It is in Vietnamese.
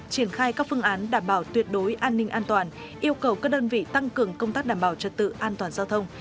triển khai các phương án đảm bảo tuyệt đối an ninh an toàn yêu cầu các đơn vị tăng cường công tác đảm bảo trật tự an toàn giao thông